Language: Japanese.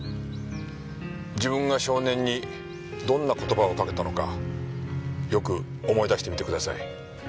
自分が少年にどんな言葉をかけたのかよく思い出してみてください。